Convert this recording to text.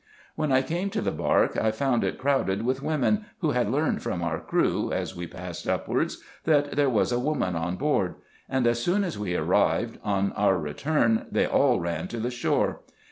When I came to the bark I found it crowded with women, who had learned from our crew, as we passed upwards, that there was a woman on board ; and as soon as we arrived, on our return* they all ran to the shore.